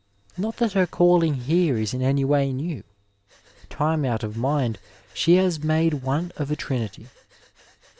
Not that her calling here is in any way new. Time out of mind she has made one of a trinity.